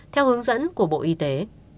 theo hướng dẫn của bộ y tế